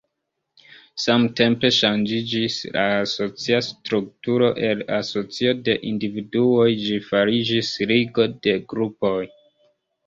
Samtempe ŝanĝiĝis la asocia strukturo: el asocio de individuoj ĝi fariĝis ligo de grupoj.